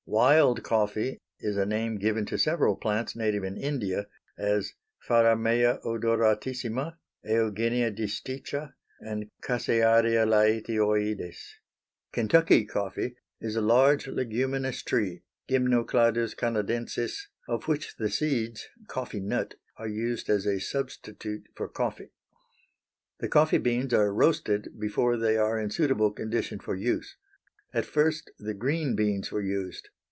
Wild coffee is a name given to several plants native in India, as Faramea odoratissima, Eugenia disticha, and Casearia laetioides. Kentucky coffee is a large leguminous tree (Gymnocladus Canadensis) of which the seeds (coffee nut) are used as a substitute for coffee. The coffee beans are roasted before they are in suitable condition for use. At first the green beans were used.